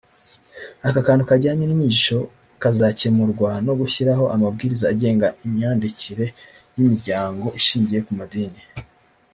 Aka kantu kajyanye n’inyigisho kazakemurwa no gushyiraho amabwiriza agenga imyandikire y’imiryango ishingiye ku Madini